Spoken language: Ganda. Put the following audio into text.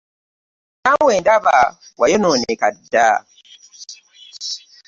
Naawe ndaba wayonooneka dda!